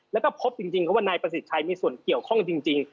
แล้วก็พบจริงว่านายประสิทธิ์ชัยมีส่วนเกี่ยวข้องจริง